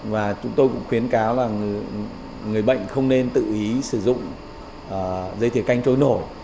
và chúng tôi cũng khuyến cáo là người bệnh không nên tự ý sử dụng dây thiều canh trôi nổi